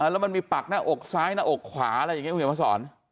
แล้วมันมีปักหน้าอกซ้ายหน้าอกขวาอะไรอย่างเงี้ยครับพระสอน